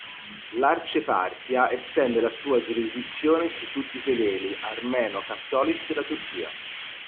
L'arcieparchia estende la sua giurisdizione su tutti i fedeli armeno-cattolici della Turchia.